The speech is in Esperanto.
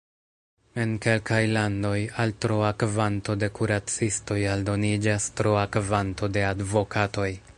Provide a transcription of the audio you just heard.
En kelkaj landoj, al troa kvanto de kuracistoj aldoniĝas troa kvanto de advokatoj.